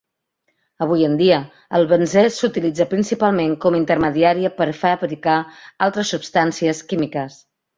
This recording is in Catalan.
Avui en dia, el benzè s'utilitza principalment com intermediari per a fabricar altres substàncies químiques.